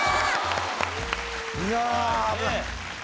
いや危ない。